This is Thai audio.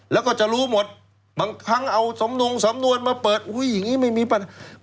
แล้วก็จะรู้หมดบางครั้งเอาสำนงสำนวนมาเปิดอุ้ยอย่างนี้ไม่มีปัญหา